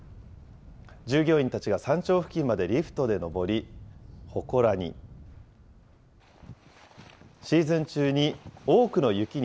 従業員たちが山頂付近までリフトで登り、ほこらに。